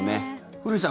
古市さん